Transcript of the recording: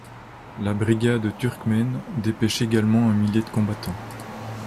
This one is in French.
La brigade turkmène dépêche également un millier de combattants.